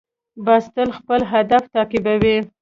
باز تل خپل هدف تعقیبوي